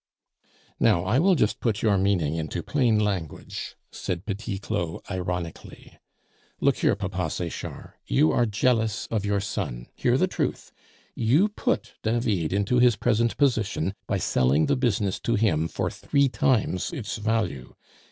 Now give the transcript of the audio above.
"Now I will just put your meaning into plain language," said Petit Claud ironically. "Look here, Papa Sechard, you are jealous of your son. Hear the truth! you put David into his present position by selling the business to him for three times its value.